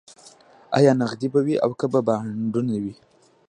ایا نغدې به وي او که به بانډونه وي